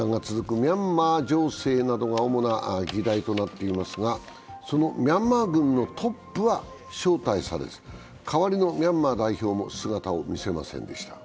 ミャンマー情勢などが主な議題となっていますが、そのミャンマー軍のトップは招待されず、代わりのミャンマー代表も姿を見せませんでした。